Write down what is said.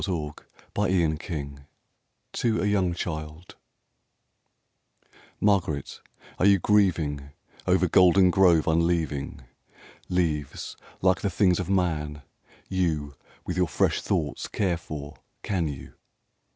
Spring and Fall : to a young child MARGARET, are you grieving Over Goldengrove unleaving ? Leaves, like the things of man, you With your fresh thoughts care for, can you